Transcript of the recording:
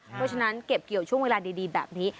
เพราะฉะนั้นเก็บเกี่ยวช่วงเวลาดีแบบนี้